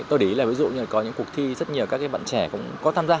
tôi để ý là ví dụ như là có những cuộc thi rất nhiều các bạn trẻ cũng có tham gia